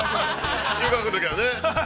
◆中学のときはね。